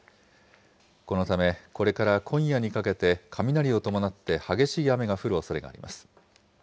このため、これから今夜にかけて雷を伴って激しい雨が降るおそれがあります。